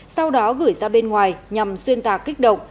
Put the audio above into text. sau đó gửi ra bên ngoài nhằm xuyên tạc kích động